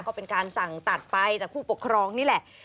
ก็เป็นการสั่งตัดไปจากผู้ปกครองนี่แหละ